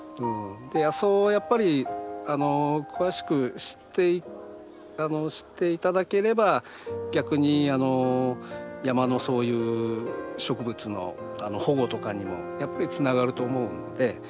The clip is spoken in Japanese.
野草をやっぱり詳しく知っていただければ逆に山のそういう植物の保護とかにもやっぱりつながると思うので。